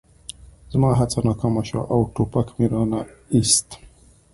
زما هڅه ناکامه شوه او ټوپک مې را نه ایست